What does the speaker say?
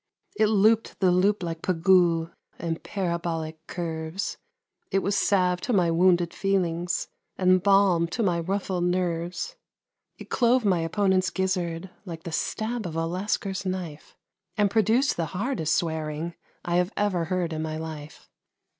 It looped the loop like Pégoud in parabolic curves; It was salve to my wounded feelings and balm to my ruffled nerves; It clove my opponent's gizzard like the stab of a Lascar's knife; And produced the hardest swearing I have ever heard in my life.